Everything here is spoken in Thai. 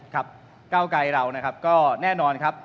ก้าวไกรเรานะครับก็แน่นอนครับ